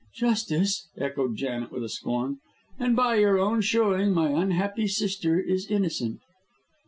"Justice!" echoed Janet, with scorn. "And by your own showing my unhappy sister is innocent."